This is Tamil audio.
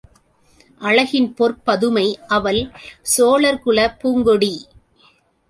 அழகின் பொற்பதுமை அவள் சோழர் குலப்பூங் கொடி.